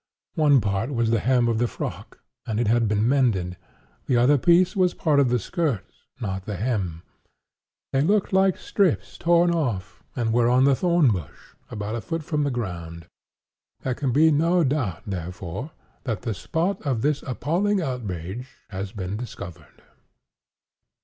One part was the hem of the frock, and it had been mended; the other piece was part of the skirt, not the hem. They looked like strips torn off, and were on the thorn bush, about a foot from the ground..... There can be no doubt, therefore, that the spot of this appalling outrage has been discovered."